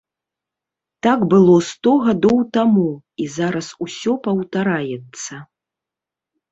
Так было сто гадоў таму, і зараз усё паўтараецца.